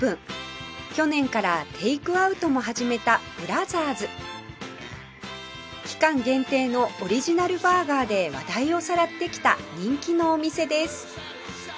去年からテイクアウトも始めた ＢＲＯＺＥＲＳ’期間限定のオリジナルバーガーで話題をさらってきた人気のお店です